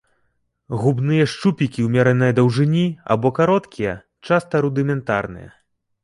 Губныя шчупікі ўмеранай даўжыні або кароткія, часта рудыментарныя.